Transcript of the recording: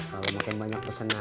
kalau makin banyak pesenannya